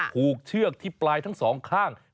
เชือกที่ปลายทั้งสองข้าง